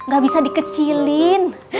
gak bisa dikecilin